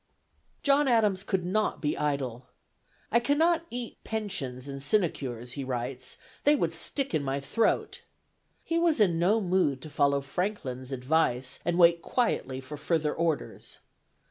'" John Adams could not be idle. "I cannot eat pensions and sinecures," he writes: "they would stick in my throat." He was in no mood to follow Franklin's advice and wait quietly for further orders.